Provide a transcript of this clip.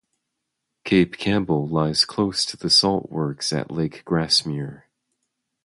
Cape Campbell lies close to the salt works at Lake Grassmere.